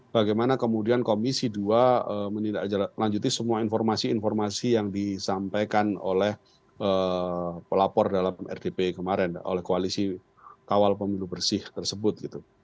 bagaimana kemudian komisi dua menindaklanjuti semua informasi informasi yang disampaikan oleh pelapor dalam rdp kemarin oleh koalisi kawal pemilu bersih tersebut